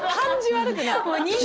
悪くない！